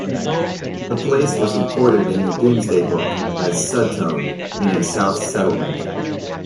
The place was recorded in the "Domesday Book" as "Sudtone", meaning "south settlement".